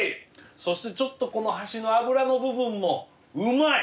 そしてちょっとこの端の脂の部分もうまい。